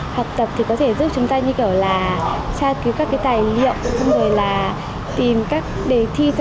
học tập có thể giúp chúng ta tra cứu các tài liệu tìm các đề thi